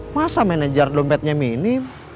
masa manajer dompetnya minim